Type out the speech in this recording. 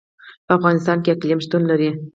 په افغانستان کې اقلیم شتون لري.